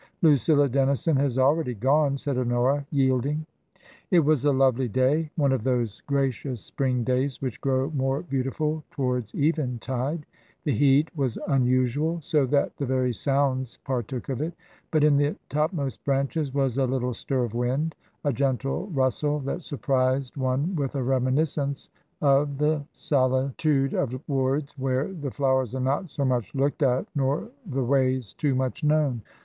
" Lucilla Dennison has already gone," said Honora, yielding. It was a lovely day, one of those gracious spring days which grow more beautiful towards eventide ; the heat was unusual, so that the very sounds partook of it, but in the topmost branches was a little stir of wind, a gentle rustle that surprised one with a reminiscence of the soli TRANSITION. 177 tude of woods where the flowers are not so much looked at nor the ways too much known.